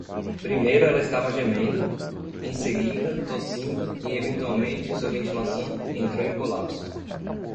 Primeiro ela estava gemendo?, em seguida, tossindo e, eventualmente, sua ventilação entrou em colapso.